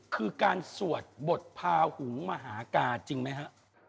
คือการสวดบทพาหุงมหากาจริงไหมฮะ